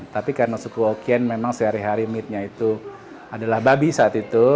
tapi karena suku okien memang sehari hari meetnya itu adalah babi saat itu